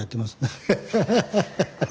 アハハハハ！